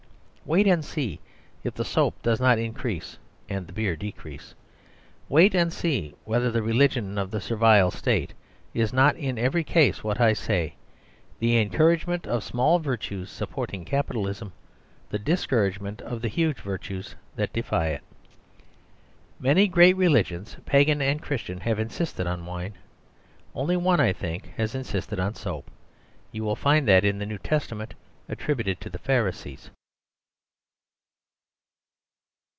Wait and see if the Soap does not increase and the Beer decrease. Wait and see whether the religion of the Servile State is not in every case what I say: the encouragement of small virtues supporting capitalism, the discouragement of the huge virtues that defy it. Many great religions, Pagan and Christian, have insisted on wine. Only one, I think, has insisted on Soap. You will find it in the New Testament attributed to the Pharisees.